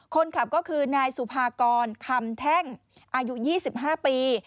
คนขับก็คือนายสุภากรคำแท่งอายุ๒๕ปี